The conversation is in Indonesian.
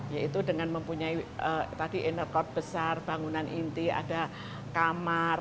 yaitu dengan mempunyai tadi innercode besar bangunan inti ada kamar